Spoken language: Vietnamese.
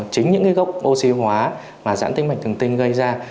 chính những gốc oxy hóa mà dãn tĩnh mạch thường tinh gây ra